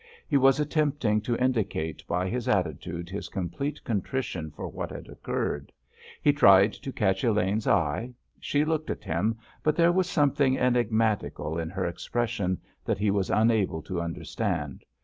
He was attempting to indicate by his attitude his complete contrition for what had occurred. He tried to catch Elaine's eye. She looked at him, but there was something enigmatical in her expression that he was unable to understand.